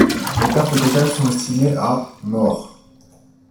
Les pertes totales sont estimées à morts.